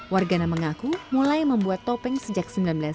wargana mengaku mulai membuat topeng sejak seribu sembilan ratus sembilan puluh